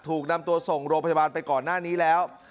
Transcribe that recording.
ถูกนำตัวส่งโรงพยาบาลไปก่อนหน้านี้แล้ว